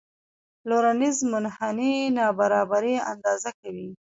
لورینز منحني نابرابري اندازه کوي.